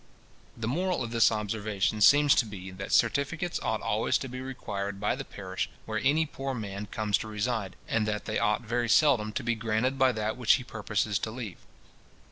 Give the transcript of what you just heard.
The moral of this observation seems to be, that certificates ought always to be required by the parish where any poor man comes to reside, and that they ought very seldom to be granted by that which he purposes to leave.